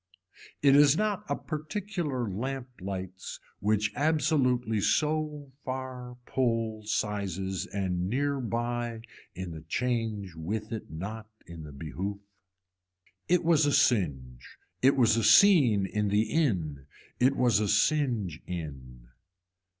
It is not a particular lamp lights which absolutely so far pull sizes and near by in the change with it not in the behoof. It was a singe, it was a scene in the in, it was a singe in.